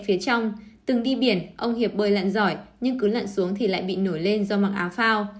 phía trong từng đi biển ông hiệp bơi lặn giỏi nhưng cứ lặn xuống thì lại bị nổi lên do mặc áo phao